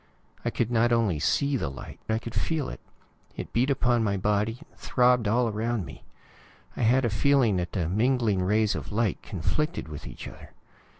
I could not only see the light; I could feel it. It beat upon my body; throbbed all around me. I had a feeling that the mingling rays of light conflicted with each other.